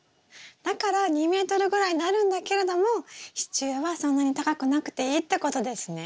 だから２ｍぐらいになるんだけれども支柱はそんなに高くなくていいってことですね？